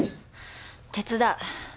手伝う。